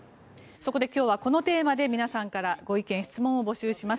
そこで今日はこのテーマで皆さんからご意見・ご質問を募集します。